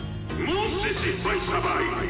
もし失敗した場合！